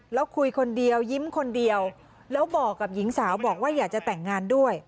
แล้วคุยคนเดียวยิ้มคนเดียวแล้วบอกกับหญิงสาวบอกว่าอยากจะแต่งงานด้วย